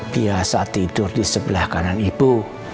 biasa tidur di sebelah kanan ibu